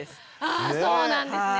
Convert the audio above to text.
あそうなんですね。